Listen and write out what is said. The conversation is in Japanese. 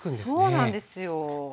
そうなんですよ。